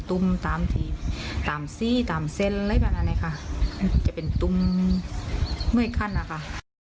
กุมตามทีตามซี่ตามข้างอะไรบ้างไรค่ะจะเป็นกุมเมื่อครั้งก็ค่ะ